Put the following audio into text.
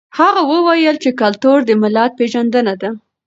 هغه وویل چې کلتور د ملت پېژندنه ده.